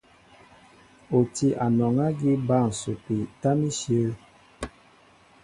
O tí anɔŋ ágí bǎl ǹsəpi tâm íshyə̂.